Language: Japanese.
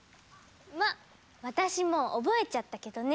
まっ私もう覚えちゃったけどね。